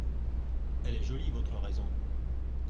Elle est jolie votre raison !…